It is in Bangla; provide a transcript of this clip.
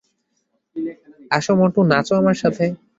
আসো মোটু, নাচো আমার সাথে।